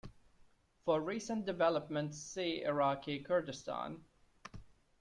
For recent developments see Iraqi Kurdistan.